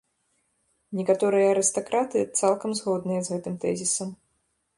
Некаторыя арыстакраты цалкам згодныя з гэтым тэзісам.